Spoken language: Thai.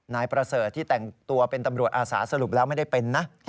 นายประเสริฐที่แต่งตัวเป็นตำรวจอาสาสรุปแล้วไม่ได้เป็นนะ